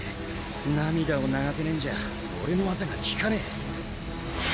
涙を流せねえんじゃ俺の技が効かねえ。